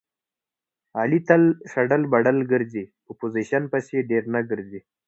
علي تل شډل بډل ګرځي. په پوزیشن پسې ډېر نه ګرځي.